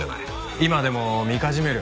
今でもみかじめ料？